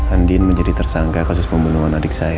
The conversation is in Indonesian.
andin menjadi tersangka kasus pembunuhan adik saya